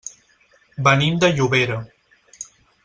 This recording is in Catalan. Venim de Llobera.